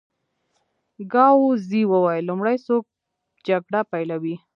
ګاووزي وویل: لومړی څوک جګړه پېلوي؟